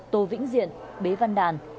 tô vĩnh diện bế văn đàn